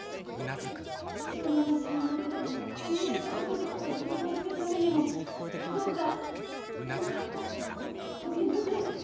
月夜野の社運を懸けたムーンナイトプロジェクトを成功させるためにもどうかどうかご検討ください。